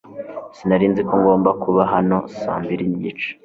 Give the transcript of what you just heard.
Sinari nzi ko ngomba kuba hano saa mbiri nigice.